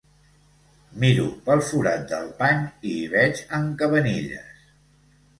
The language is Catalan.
Miro pel forat del pany i hi veig en Cabanillas.